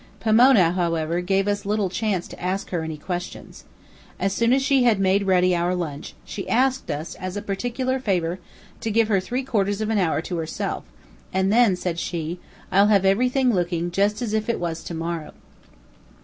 Pomona, however, gave us little chance to ask her any questions. As soon as she had made ready our lunch, she asked us, as a particular favor, to give her three quarters of an hour to herself, and then, said she, "I'll have everything looking just as if it was to morrow."